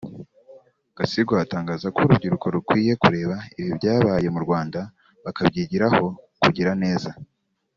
Gasigwa atangaza ko urubyiruko rukwiye kureba ibibi byabaye mu Rwanda bakabyigiraho kugira neza